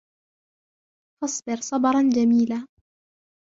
فَاصْبِرْ صَبْرًا جَمِيلا